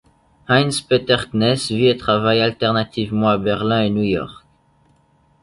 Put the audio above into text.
Heinz Peter Knes vit et travaille alternativement à Berlin et New York.